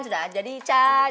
sudah jadi can